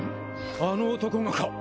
あの男がか？